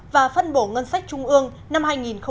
và phân bổ ngân sách trung ương năm hai nghìn hai mươi